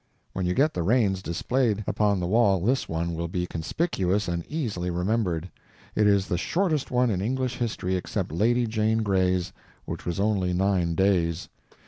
When you get the reigns displayed upon the wall this one will be conspicuous and easily remembered. It is the shortest one in English history except Lady Jane Grey's, which was only nine days.